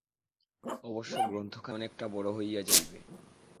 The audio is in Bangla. অবশ্য গ্রন্থখানি অনেকটা বড় হইয়া যাইবে।